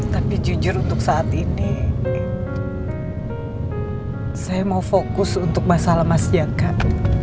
tapi jujur untuk saat ini saya mau fokus untuk masalah masyarakat